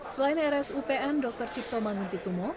selain rs upn dr cipomangun kusumo